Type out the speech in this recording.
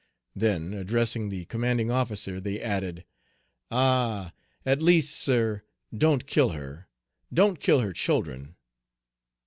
Then, addressing the commanding officer, they added, "Ah, at least, sir, don't kill her, don't kill her children!"